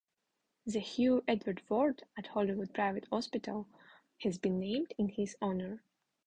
The Hugh Edwards Ward at Hollywood Private Hospital has been named in his honour.